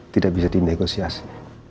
tidak bisa dinegosiasi